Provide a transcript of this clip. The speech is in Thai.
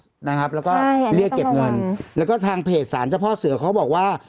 ใช่อันนี้ต้องระวังแล้วก็เรียกเก็บเงินแล้วก็ทางเพจสารเจ้าพ่อเสือเขาบอกว่า